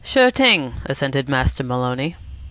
"Sure thing," assented Master Maloney.